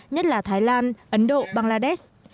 nhất là thái lan ấn độ bangladesh